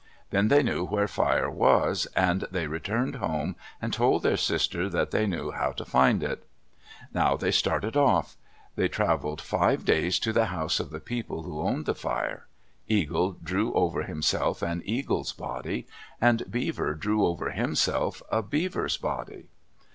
Then they knew where fire was, and they returned home and told their sister that they knew how to find it. Now they started off. They traveled five days to the house of the people who owned the fire. Eagle drew over himself an eagle's body; and Beaver drew over himself a beaver's body.